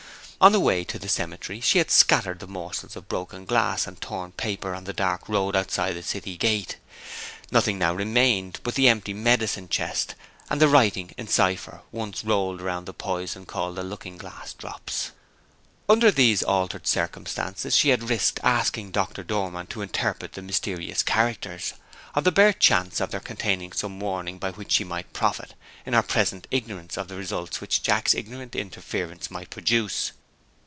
On the way to the cemetery, she had scattered the morsels of broken glass and torn paper on the dark road outside the city gate. Nothing now remained but the empty medicine chest, and the writing in cipher, once rolled round the poison called the "Looking Glass Drops." Under these altered circumstances, she had risked asking Doctor Dormann to interpret the mysterious characters, on the bare chance of their containing some warning by which she might profit, in her present ignorance of the results which Jack's ignorant interference might produce.